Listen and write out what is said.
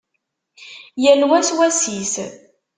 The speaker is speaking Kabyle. Yal wa s wass-is.